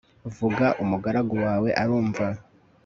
vuga, umugaragu wawe arumva